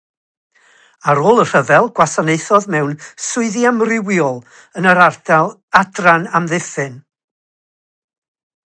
Ar ôl y Rhyfel, gwasanaethodd mewn swyddi amrywiol yn yr Adran Amddiffyn.